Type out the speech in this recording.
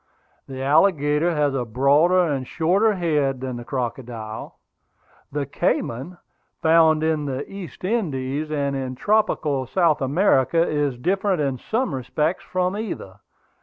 The alligator has a broader and shorter head than the crocodile. The cayman, found in the East Indies and in tropical South America, is different in some respects from either.